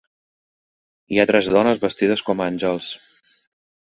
Hi ha tres dones vestides com àngels.